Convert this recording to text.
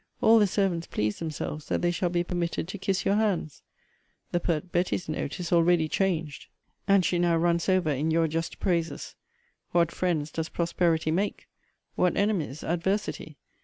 All the servants please themselves that they shall be permitted to kiss your hands. The pert Betty's note is already changed; and she now runs over in your just praises. What friends does prosperity make! What enemies adversity!